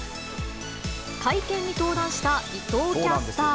会見に登壇した伊藤キャスター。